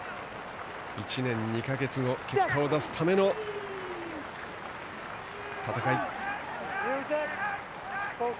１年２か月後結果を出すための戦い。